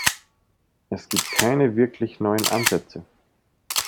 Es gibt keine wirklich neuen Ansätze!